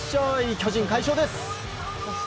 巨人、快勝です。